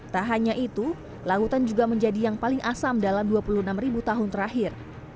tak hanya itu lautan juga menjadi yang paling asam dalam dua puluh enam tahun terakhir